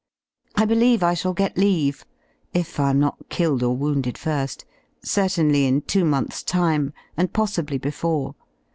/ I believe I shall get leave — if I am not killed or wounded vfir^ — certainly in two months' time, and possibly before.